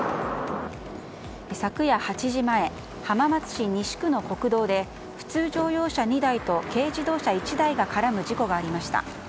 昨夜８時前浜松市西区の国道で普通乗用車２台と軽自動車１台が絡む事故がありました。